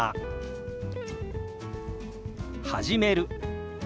「始める」。